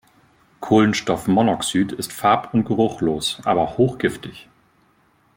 Kohlenstoffmonoxid ist farb- und geruchlos, aber hochgiftig.